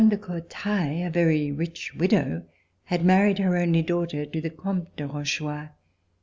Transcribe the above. de Courtellle, a very rich widow, had married her only daughter to the Comte de Roche chouart.